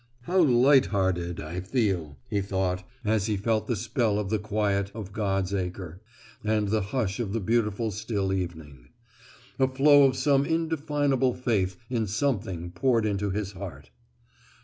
"How light hearted I feel," he thought, as he felt the spell of the quiet of God's Acre, and the hush of the beautiful still evening. A flow of some indefinable faith in something poured into his heart.